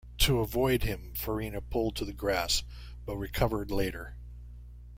To avoid him, Farina pulled to the grass but recovered later.